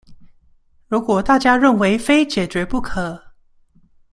如果大家認為非解決不可